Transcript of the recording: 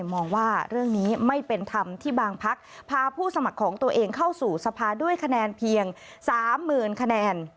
มองว่าเรื่องนี้ไม่เป็นธรรมที่บางพักพาผู้สมัครของตัวเองเข้าสู่สภาด้วยคะแนนเพียง๓๐๐๐คะแนน